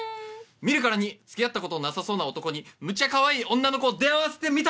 「見るからに付き合った事なさそうな男にむっちゃかわいい女の子を出会わせてみた」！